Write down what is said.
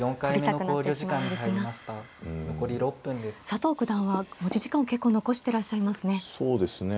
佐藤九段は持ち時間を結構残してらっしゃいますね。